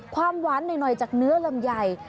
ความหวานหน่อยจากเนื้อลำไย